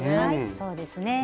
そうですね。